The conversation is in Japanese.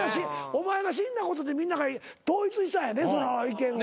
お前が死んだことでみんなが統一したんやで意見を。